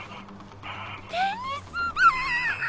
テニスだ！